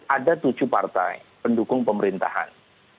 ada tujuh partai pendukung pemerintahan